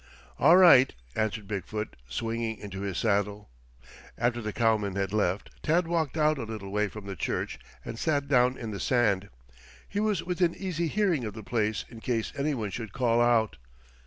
"All right," answered Big foot, swinging into his saddle. After the cowmen had left, Tad walked out a little way from the church and sat down in the sand. He was within easy hearing of the place in case anyone should call out.